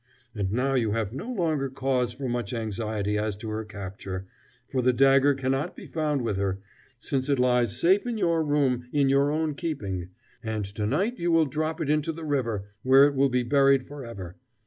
And now you have no longer cause for much anxiety as to her capture, for the dagger cannot be found with her, since it lies safe in your room in your own keeping, and to night you will drop it into the river, where it will be buried forever.